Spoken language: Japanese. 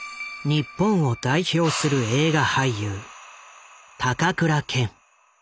日本を代表する映画俳優高倉健。